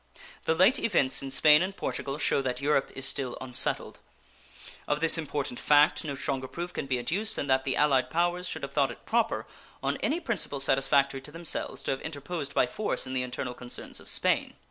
The late events in Spain and Portugal shew that Europe is still unsettled. Of this important fact no stronger proof can be adduced than that the allied powers should have thought it proper, on any principle satisfactory to themselves, to have interposed by force in the internal concerns of Spain.